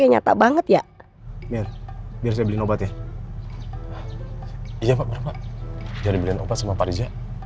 jangan beli obat sama pak rizal